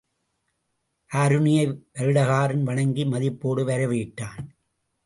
ஆருணியை வருடகாரன் வணங்கி, மதிப்போடு வரவேற்றான்.